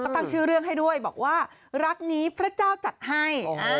ตั้งชื่อเรื่องให้ด้วยบอกว่ารักนี้พระเจ้าจัดให้